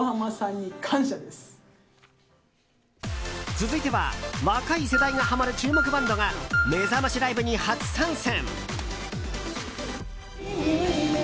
続いては若い世代がはまる注目バンドがめざましライブに初参戦。